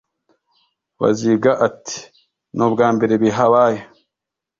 Baziga ati“Ni ubwa mbere bihabaye